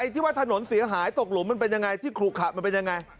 ที่ว่าถนนเสียหายตกหลุมมันเป็นยังไงที่ขลุขะมันเป็นยังไง